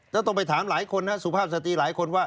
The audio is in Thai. แล้วต้องไปถามหลายคนนะสุภาพสตรีหลายคนว่า